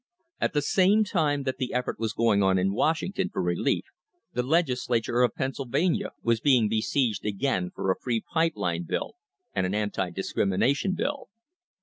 At the same time that the effort was going in Washington for relief the Legislature of Pennsylvania was being besieged again for a free pipe line bill and an anti discrimination bill.